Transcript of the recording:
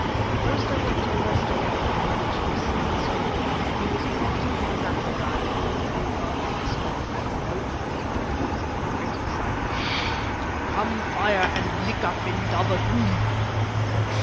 First I went to the western end where the chief's son stood. He was pointing with his assegai towards the advancing storm, and invoking it in a voice of great excitement. "Come, fire, and lick up Indaba zimbi!